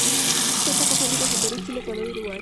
Cuenta con fabricas en Perú, Chile, Ecuador y Uruguay.